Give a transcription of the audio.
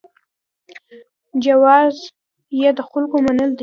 جواز یې د خلکو منل دي.